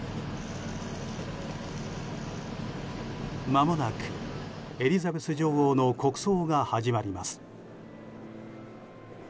まもなくエリザベス女王の国葬が始まります。